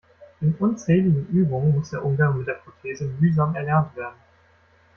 In unzähligen Übungen muss der Umgang mit der Prothese mühsam erlernt werden.